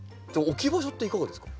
置き場所っていかがですか？